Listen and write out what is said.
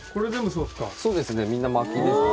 そうですねみんな薪ですね。